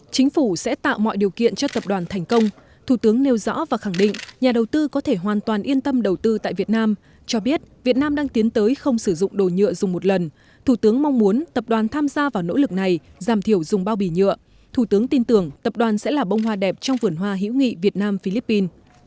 chính phủ sẽ tạo mọi điều kiện cho tập đoàn thành công thủ tướng nêu rõ và khẳng định nhà đầu tư có thể hoàn toàn yên tâm đầu tư tại việt nam cho biết việt nam đang tiến tới không sử dụng đồ nhựa dùng một lần thủ tướng mong muốn tập đoàn tham gia vào nỗ lực này giảm thiểu dùng bao bì nhựa thủ tướng tin tưởng tập đoàn sẽ là bông hoa đẹp trong vườn hoa hữu nghị việt nam philippines